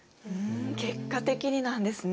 結果的になんですね。